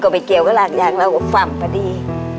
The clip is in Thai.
ก็ไปเกี่ยวกับรากยางแล้วหมั่งมาดี